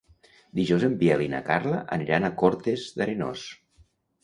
Dijous en Biel i na Carla aniran a Cortes d'Arenós.